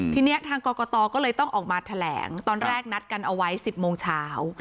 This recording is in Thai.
ทีนี้ทางกรกตก็เลยต้องออกมาแถลงตอนแรกนัดกันเอาไว้๑๐โมงเช้า